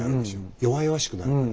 弱々しくなるから。